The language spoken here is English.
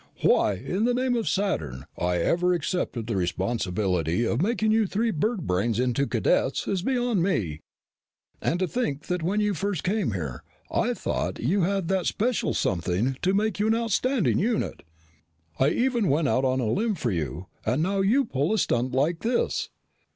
"Why, in the name of Saturn, I ever accepted the responsibility of making you three bird brains into cadets is beyond me. And to think that when you first came here, I thought you had that special something to make you an outstanding unit. I even went out on a limb for you. And now you pull a stunt like this."